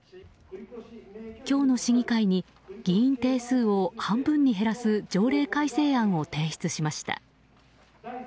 今日の市議会に議員定数を半分に減らす条例改正案を提出しました。